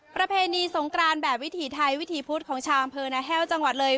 ประเพณีสงกรานแบบวิถีไทยวิถีพุธของชาวอำเภอนาแห้วจังหวัดเลย